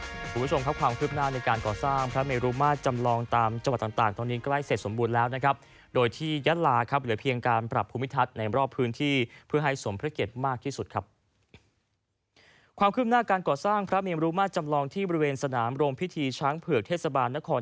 คุณผู้ชมครับความคืบหน้าในการก่อสร้างพระเมรุมาตรจำลองตามจังหวัดต่างตอนนี้ใกล้เสร็จสมบูรณ์แล้วนะครับโดยที่ยะลาครับเหลือเพียงการปรับภูมิทัศน์ในรอบพื้นที่เพื่อให้สมพระเกียรติมากที่สุดครับความคืบหน้าการก่อสร้างพระเมรุมาตรจำลองที่บริเวณสนามโรงพิธีช้างเผือกเทศบาลนคร